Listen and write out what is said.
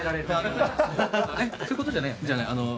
そういうことじゃないよね？じゃない。